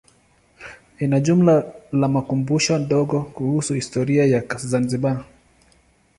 Ina jumba la makumbusho dogo kuhusu historia ya Zanzibar.